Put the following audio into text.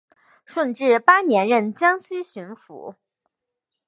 顺治八年任江西巡抚。